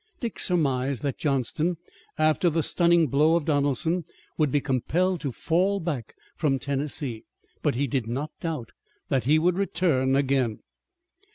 Dick surmised that Johnston, after the stunning blow of Donelson, would be compelled to fall back from Tennessee, but he did not doubt that he would return again.